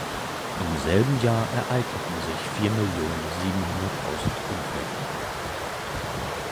Im selben Jahr ereigneten sich vier Millionen siebenhunderttausend Unfälle.